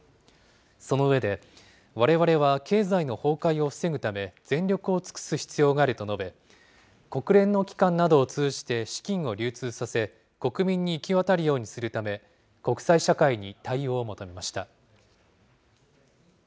その上で、われわれは経済の崩壊を防ぐため、全力を尽くす必要があると述べ、国連の機関などを通じて資金を流通させ、国民に行き渡るようにするため、国際社会に対応を求めました。